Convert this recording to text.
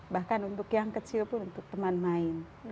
bahkan untuk yang kecil pun untuk teman main